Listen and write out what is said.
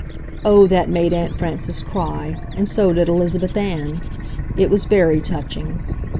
Oh, that made Aunt Frances cry, and so did Elizabeth Ann. It was very touching.